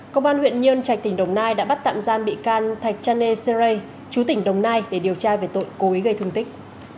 công an huyện nhơn trạch tỉnh đồng nai đã bắt tạm giam bị can thạch chanê sê rê chú tỉnh đồng nai để điều tra về tội cố ý gây thương tích